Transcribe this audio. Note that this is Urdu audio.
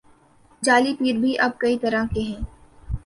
جعلی پیر بھی اب کئی طرح کے ہیں۔